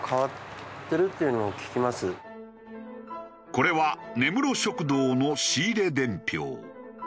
これは根室食堂の仕入れ伝票。